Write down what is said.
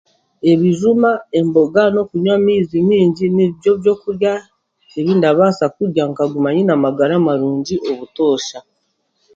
ebijuma, embogo n'okunywa amaizi maingi nibyo byokurya ebindabaasa kurya nkaguma nyine amagara marungi obutoosha.